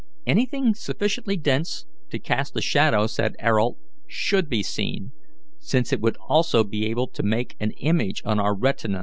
"Anything sufficiently dense to cast a shadow," said Ayrault, "should be seen, since it would also be able to make an image on our retinas.